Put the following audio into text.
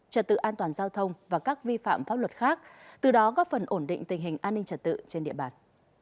trật tự an toàn giao thông và các vi phạm pháp luật khác từ đó góp phần ổn định tình hình an ninh trật tự trên địa bàn